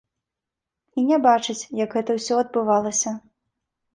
І не бачыць, як гэта ўсё адбывалася.